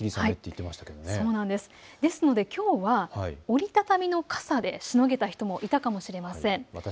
きょうは折り畳みの傘でしのげた人もいたかもしれません。